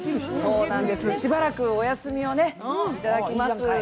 しばらくお休みをいただきます。